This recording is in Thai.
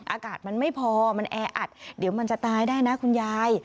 อากาศมันไม่พอมันแออัดเดี๋ยวมันจะตายได้นะคุณยาย